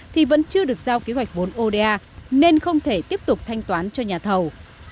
thì vẫn chưa được giao kế hoạch vốn oda nên không thể tiếp tục thanh toán cho nhà thầu